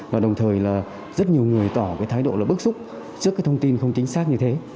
và đồng thời là rất nhiều người tỏ cái thái độ là bức xúc trước cái thông tin không chính xác như thế